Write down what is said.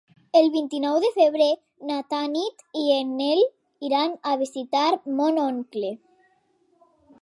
El vint-i-nou de febrer na Tanit i en Nel iran a visitar mon oncle.